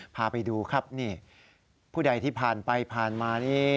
พาไปดูครับนี่ผู้ใดที่ผ่านไปผ่านมานี่